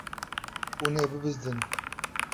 Hûn ê bibizdin.